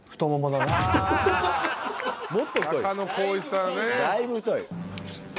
だいぶ太い。